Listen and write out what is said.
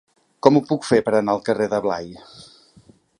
Com ho puc fer per anar al carrer de Blai?